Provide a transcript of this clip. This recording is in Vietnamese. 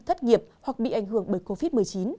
thất nghiệp hoặc bị ảnh hưởng bởi covid một mươi chín